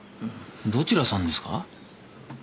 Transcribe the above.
どちらさんですか？